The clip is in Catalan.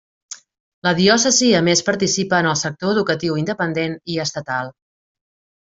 La diòcesi a més participa en el sector educatiu independent i estatal.